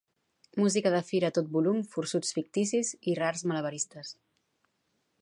Música de fira a tot volum, forçuts ficticis i rars malabaristes.